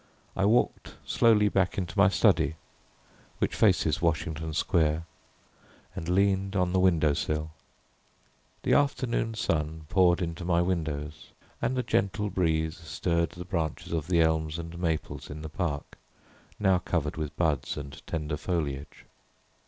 I walked slowly back into my study, which faces Washington Square, and leaned on the window sill. The afternoon sun poured into my windows, and a gentle breeze stirred the branches of the elms and maples in the park, now covered with buds and tender foliage.